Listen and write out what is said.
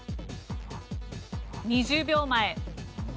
２０秒前。